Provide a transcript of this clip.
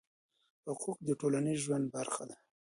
حقوق د ټولنيز ژوند برخه ده؟